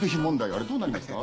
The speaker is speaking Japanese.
あれどうなりました？